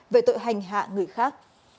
về tội hành hạ người khác